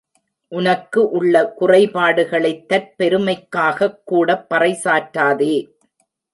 உனக்கு உள்ள குறைபாடுகளைத் தற்பெருமைக்காகக் கூடப் பறைசாற்றாதே.